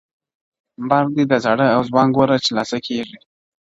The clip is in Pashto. مرګ دی د زاړه او ځوان ګوره چي لا څه کیږي.!